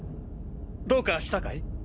どうかしたかい？